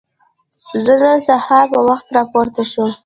زه نن سهار په وخت راپورته شوم.